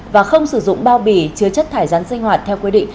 và không sử dụng bao bì chứa chất thải rắn sinh hoạt theo quy định